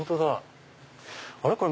あれ？